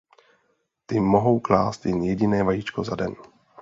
Ty mohou klást jen jediné vajíčko za den.